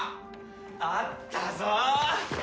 あったぞ！